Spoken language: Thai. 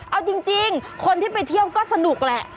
เอาจริงคนที่ไปเที่ยวก็สนุกแหละ